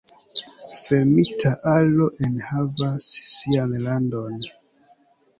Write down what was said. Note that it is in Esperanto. Fermita aro enhavas sian randon.